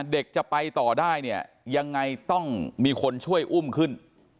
เด็กจะไปต่อได้เนี่ยยังไงต้องมีคนช่วยอุ้มขึ้น